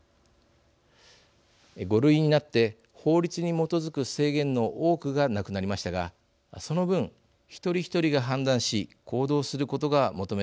５類になって法律に基づく制限の多くがなくなりましたがその分一人一人が判断し行動することが求められています。